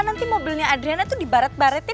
nanti mobilnya adriana tuh dibaret baratin